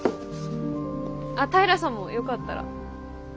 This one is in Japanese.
あ平さんもよかったら。